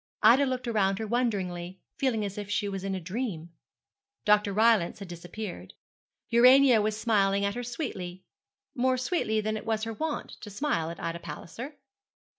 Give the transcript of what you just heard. Ida looked round her wonderingly, feeling as if she was in a dream. Dr. Rylance had disappeared. Urania was smiling at her sweetly, more sweetly than it was her wont to smile at Ida Palliser.